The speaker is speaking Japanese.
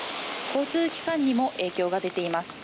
交通機関にも影響が出ています。